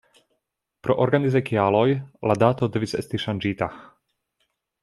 Pro organizaj kialoj la dato devis esti ŝanĝita!.